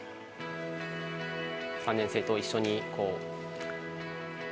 ３年生と一緒にこう。